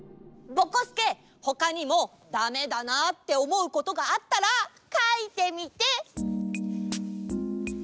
ぼこすけほかにもだめだなっておもうことがあったらかいてみて！